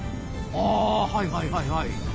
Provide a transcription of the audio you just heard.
あはいはいはいはい。